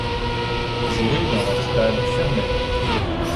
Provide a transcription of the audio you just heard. Joué dans un stade fermé.